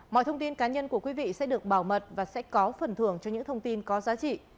mọi thông tin cá nhân của quý vị sẽ được bảo mật và sẽ có phần thưởng cho những thông tin có giá trị